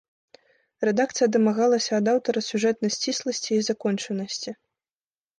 Рэдакцыя дамагалася ад аўтара сюжэтнай сцісласці і закончанасці.